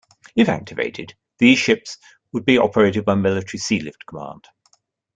If activated, these ships would be operated by Military Sealift Command.